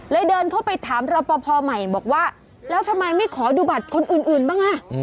เดินเข้าไปถามรอปภใหม่บอกว่าแล้วทำไมไม่ขอดูบัตรคนอื่นบ้างอ่ะ